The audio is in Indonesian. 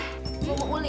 mau apaan gue mau uli